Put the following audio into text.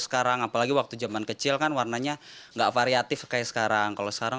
sekarang apalagi waktu zaman kecil kan warnanya enggak variatif kayak sekarang kalau sekarang